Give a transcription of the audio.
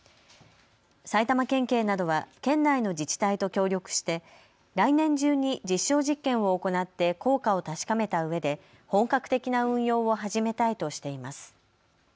埼玉県警などは県内の自治体と協力して来年中に実証実験を行って効果を確かめたうえで本格的な運用を始めたいとしています。